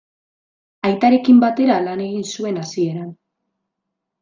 Aitarekin batera lan egin zuen hasieran.